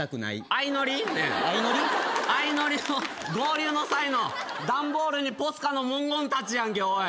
『あいのり』の合流の際の段ボールにポスカの文言たちやんけおい。